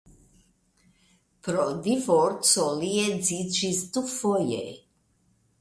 Pro divorco li edziĝis dufoje.